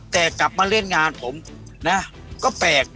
แต่กลับมาเล่นงานผมนะก็แปลก